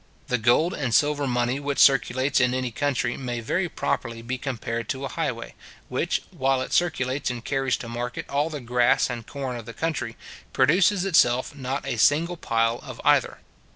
The gold and silver money which circulates in any country may very properly be compared to a highway, which, while it circulates and carries to market all the grass and corn of the country, produces itself not a single pile of either.